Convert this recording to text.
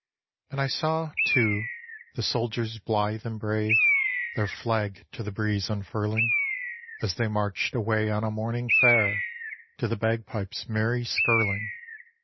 And I saw, too, the soldiers blithe and brave Their flag to the breeze unfurling, As they marched away on a morning fair To the bagpipes' merry skirling.